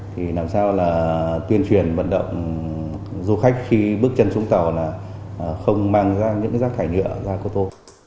thì làm sao là tuyên truyền vận động du khách khi bước chân xuống tàu là không mang ra những rác thải nhựa ra cô tô